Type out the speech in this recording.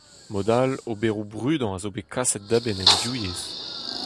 Mod-all, oberoù brudañ a zo bet kaset da benn en div yezh.